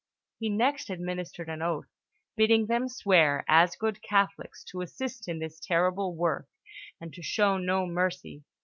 He next administered an oath, bidding them swear, as good Catholics, to assist in this terrible work, and to show no mercy.